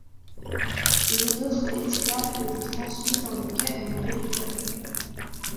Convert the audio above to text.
Les autres esclaves étaient transmis dans le cadre de l’héritage.